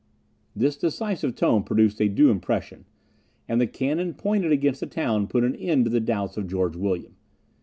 This decisive tone produced a due impression; and the cannon pointed against the town put an end to the doubts of George William.